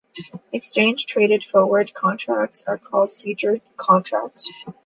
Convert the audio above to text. Exchange traded forward contracts are called futures contracts.